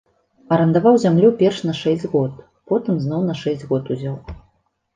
Арандаваў зямлю перш на шэсць год, потым зноў на шэсць год узяў.